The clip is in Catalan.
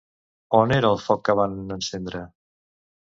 On era el foc que van encendre?